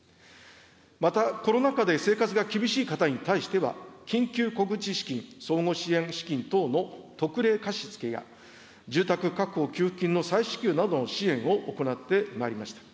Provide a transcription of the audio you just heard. また、コロナ禍で生活が厳しい方に対しては、緊急小口資金、総合支援資金等の特例貸し付けや、住宅確保給付金の再支給などの支援を行ってまいりました。